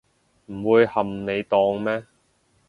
唔會冚你檔咩